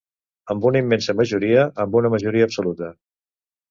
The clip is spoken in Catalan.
Amb una immensa majoria, amb una majoria absoluta.